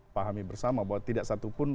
pahami bersama bahwa tidak satupun